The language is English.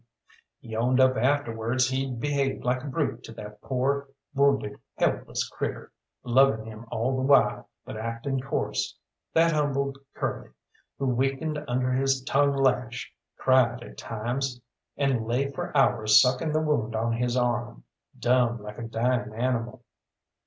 He owned up afterwards he'd behaved like a brute to that poor wounded, helpless critter, loving him all the while, but acting coarse; that humbled Curly, who weakened under his tongue lash, cried at times, and lay for hours sucking the wound on his arm, dumb like a dying animal.